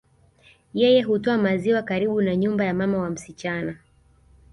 Yeye hutoa maziwa karibu na nyumba ya mama wa msichana